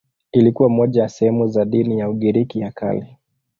Ilikuwa moja ya sehemu za dini ya Ugiriki ya Kale.